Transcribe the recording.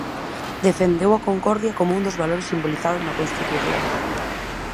Defendeu a concordia como un dos valores simbolizados na Constitución.